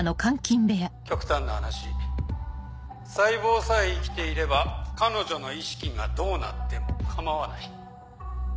極端な話細胞さえ生きていれば彼女の意識がどうなっても構わない。